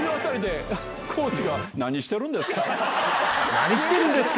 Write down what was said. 何してるんですか！